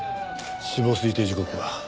死亡推定時刻は？